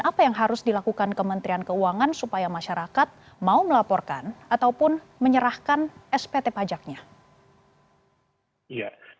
apa yang harus dilakukan kementerian keuangan supaya masyarakat mau melaporkan ataupun menyerahkan spt pajaknya